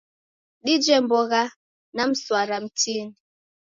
Dije mbogha nyingi na mswara mtini..